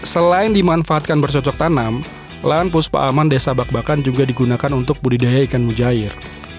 selain dimanfaatkan bercocok tanam lahan puspa aman desa bak bakan juga digunakan untuk budidaya ikan mujair